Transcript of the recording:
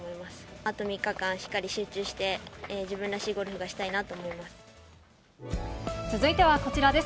あと３日間、しっかり集中して、自分らしいゴルフがしたいなと思続いてはこちらです。